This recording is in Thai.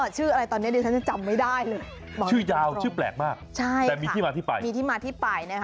ชื่ออะไรตอนนี้เดี๋ยวฉันจะจำไม่ได้เลยชื่อยาวชื่อแปลกมากแต่มีที่มาที่ไป